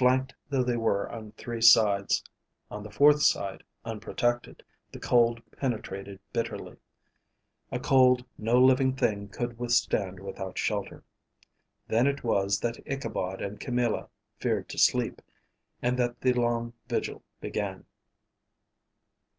Banked though they were on three sides, on the fourth side, unprotected, the cold penetrated bitterly, a cold no living thing could withstand without shelter. Then it was that Ichabod and Camilla feared to sleep, and that the long vigil began.